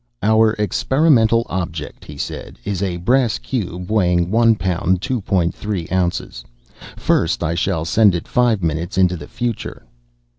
"Our experimental object," he said, "is a brass cube weighing one pound, two point three ounces. First, I shall send it five minutes into the future."